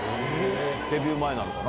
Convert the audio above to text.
デビュー前なのかな。